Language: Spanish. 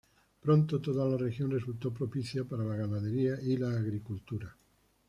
Pronto toda la región resultó propicia para la ganadería y la agricultura.